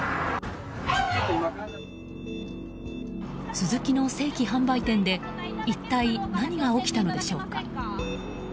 スズキの正規販売店で一体何が起きたのでしょうか。